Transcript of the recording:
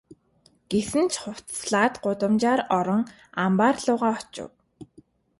Гэсэн ч хувцаслаад гудамжаар орон амбаар луугаа очив.